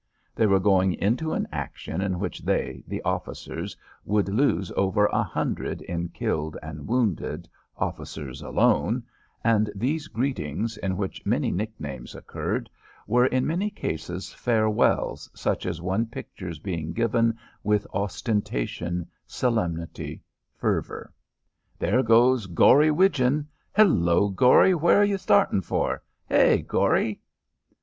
They were going into an action in which they, the officers, would lose over a hundred in killed and wounded officers alone and these greetings, in which many nicknames occurred, were in many cases farewells such as one pictures being given with ostentation, solemnity, fervour. "There goes Gory Widgeon! Hello, Gory! Where you starting for? Hey, Gory!"